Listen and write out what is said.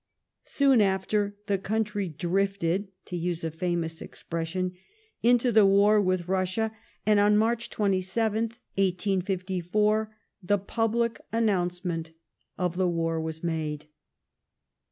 Soon after, the country " drifted," to use a famous expression, into the war with Russia, and on March 27, 1854, the public announcement of the war was made.